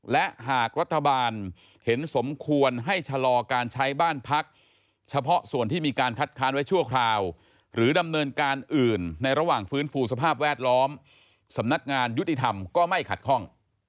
และหากรัฐบาลเห็นสมควรให้ชะลอการใช้บ้านพักเฉพาะส่วนที่มีการคัดค้านไว้ชั่วคราวหรือดำเนินการอื่นในระหว่างฟื้นฟูสภาพแวดล้อมสำนักงานยุติธรรมก็ไม่ขัดข้อง